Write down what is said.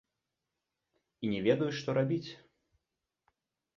І не ведаю, што рабіць.